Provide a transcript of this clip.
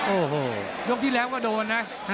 โอ้โหยกที่แล้วก็โดนนะ